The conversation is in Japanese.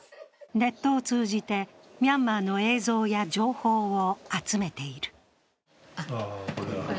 ネットを通じてミャンマーの映像や情報を集めている。